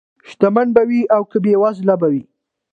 شتمن به وي او که بېوزله به وي.